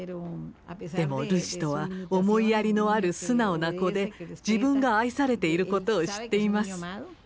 でもルシトは思いやりのある素直な子で自分が愛されていることを知っています。